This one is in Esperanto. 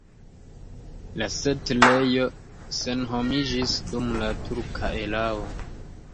La setlejo senhomiĝis dum la turka erao.